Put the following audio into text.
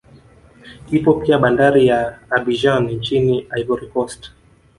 Ipo pia bandari ya Abidjan nchini Ivory Coast